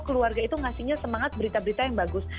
keluarga itu ngasihnya semangat berita berita yang bagus